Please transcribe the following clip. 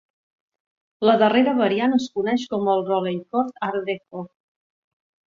La darrera variant es coneix com el Rolleicord "Art Deco".